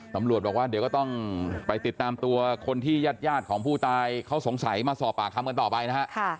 ตำรวจบอกว่าเดี๋ยวก็ต้องไปติดตามตัวคนที่ญาติของผู้ตายเขาสงสัยมาสอบปากคำกันต่อไปนะฮะ